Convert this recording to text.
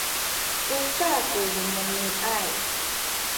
tusa ku lumeni’ay